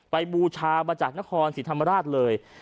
ไปบูชามจากนครสิรุธรรมลาศน์เลย